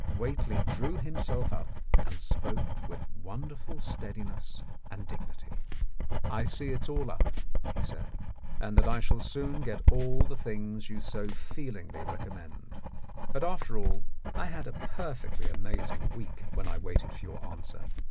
Whately drew himself up and spoke with wonderful steadiness and dignity. " I see it's all up !" he said, "and that I shall soon get all the things you so feelingly recommend. But after all I had a perfectly amazing week when I waited for your answer.